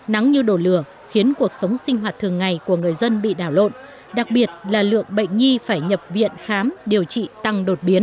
nắng như đổ lửa khiến cuộc sống sinh hoạt thường ngày của người dân bị đảo lộn đặc biệt là lượng bệnh nhi phải nhập viện khám điều trị tăng đột biến